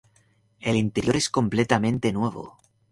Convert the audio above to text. El interior es completamente nuevo.